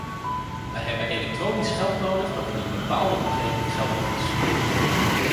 Wij hebben elektronisch geld nodig dat in een bepaalde omgeving geldig is.